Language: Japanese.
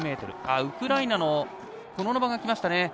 ウクライナのコノノバが来ました。